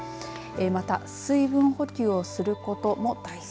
また水分補給をすることも大切。